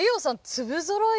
粒ぞろい